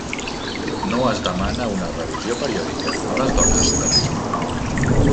No es demana una revisió periòdica en les dones de risc normal.